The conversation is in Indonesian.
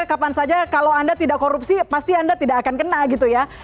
kapan saja kalau anda tidak korupsi pasti anda tidak akan kena gitu ya